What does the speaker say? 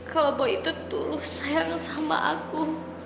kalau boy itu dulu sayang sama aku